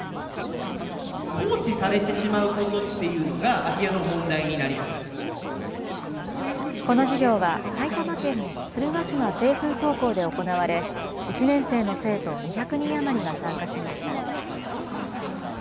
放置されてしまうことっていうのが、この授業は埼玉県の鶴ヶ島清風高校で行われ、１年生の生徒２００人余りが参加しました。